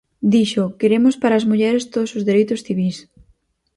Dixo: "Queremos para as mulleres todos os dereitos civís".